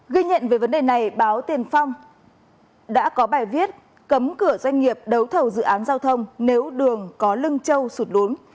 ghi nhận về vấn đề này báo tiền phong đã có bài viết cấm cửa doanh nghiệp đấu thầu dự án giao thông nếu đường có lưng châu sụt lún